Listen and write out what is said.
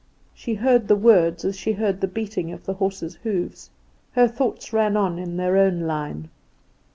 She heard the words as she heard the beating of the horses' hoofs; her thoughts ran on in their own line.